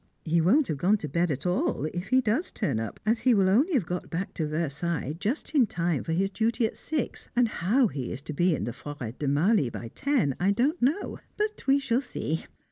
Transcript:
He won't have gone to bed at all, if he does turn up, as he will only have got back to Versailles just in time for his duty at six, and how he is to be in the Forêt de Marly by ten I don't know, but we shall see.